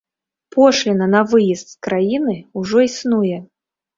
Пошліна на выезд з краіны ўжо існуе!